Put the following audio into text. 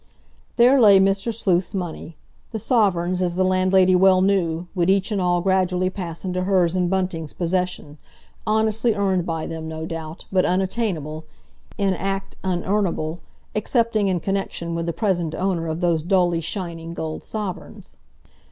There lay Mr. Sleuth's money—the sovereigns, as the landlady well knew, would each and all gradually pass into her's and Bunting's possession, honestly earned by them no doubt but unattainable—in act unearnable—excepting in connection with the present owner of those dully shining gold sovereigns.